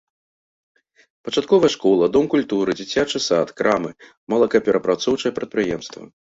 Пачатковая школа, дом культуры, дзіцячы сад, крамы, малакаперапрацоўчае прадпрыемства.